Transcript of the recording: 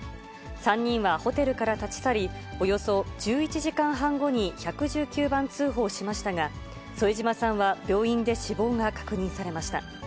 ３人はホテルから立ち去り、およそ１１時間半後に１１９番通報しましたが、添島さんは病院で死亡が確認されました。